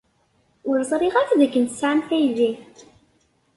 Ur ẓriɣ ara dakken tesɛamt aydi.